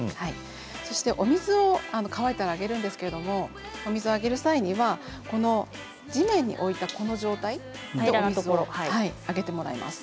そしてお水を乾いたらあげるんですけれどお水をあげる際には地面に置いたこの状態であげてもらいます。